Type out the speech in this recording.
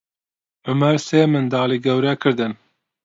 عومەر سێ منداڵی گەورە کردن.